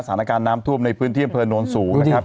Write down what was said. สถานการณ์น้ำท่วมในพื้นที่อำเภอโน้นสูงนะครับ